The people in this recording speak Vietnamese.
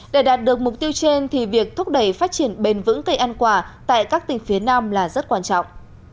để đạt được mục tiêu trên thì việc thúc đẩy phát triển bền vững cây ăn quả tại các tỉnh phía nam là rất quan trọng